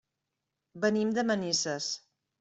Venim de Manises.